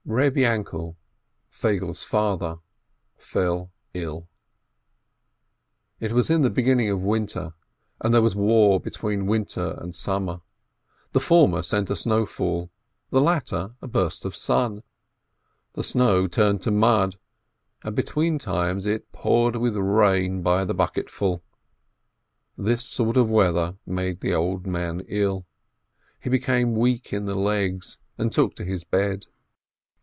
Reb Yainkel, Feigele's father, fell ill. It was in the beginning of winter, and there was war between winter and summer: the former sent a A SIMPLE STORY 501 snowfall, the latter a burst of sun. The snow turned to mud, and between times it poured with rain by the bucketful. This sort of weather made the old man ill : he became weak in the legs, and took to his bed.